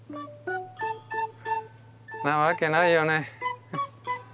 なわけないよね。